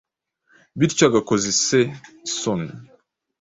bityo agakoza ise isoni.